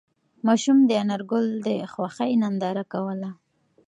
ماشوم د انارګل د خوښۍ ننداره کوله.